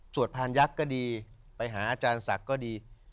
พานยักษ์ก็ดีไปหาอาจารย์ศักดิ์ก็ดี